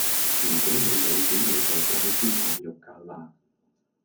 若果你冇錢你就界豬腩肉架啦